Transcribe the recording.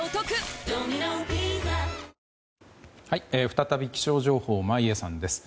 再び気象情報眞家さんです。